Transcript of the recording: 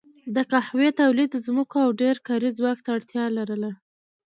د قهوې تولید ځمکو او ډېر کاري ځواک ته اړتیا لرله.